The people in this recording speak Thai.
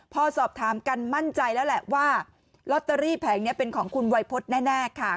พอสอบถามกันมั่นใจแล้วแหละว่าลอตเตอรี่แผงนี้เป็นของคุณวัยพฤษแน่ค่ะ